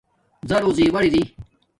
زارݸ زیݸر اری